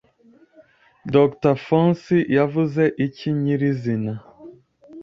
Dr Fauci yavuze iki nyirizina